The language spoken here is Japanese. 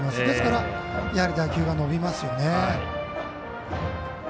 ですから打球は伸びますよね。